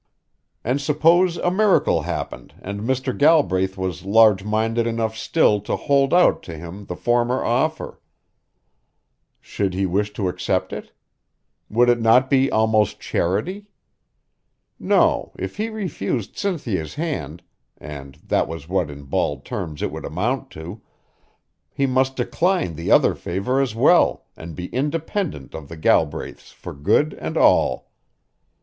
And suppose a miracle happened and Mr. Galbraith was large minded enough still to hold out to him the former offer? Should he wish to accept it? Would it not be almost charity? No, if he refused Cynthia's hand and that was what, in bald terms, it would amount to he must decline the other favor as well and be independent of the Galbraiths for good and all.